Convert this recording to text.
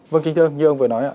vâng kính thưa như ông vừa nói ạ